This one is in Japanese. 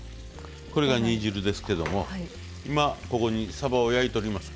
これが煮汁ですけども今、ここにさばを焼いております。